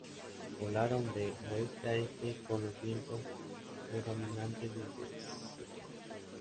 Volaron de oeste a este, con los vientos predominantes desde St.